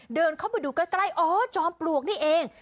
เดินเข้าไปดูใกล้อ๋อจอมปลวกนี่เอง